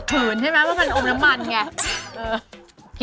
ใช่ไหมว่ามันอมน้ำมันไง